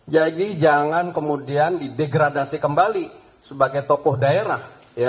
jadi jangan kemudian didegradasi kembali sebagai tokoh daerah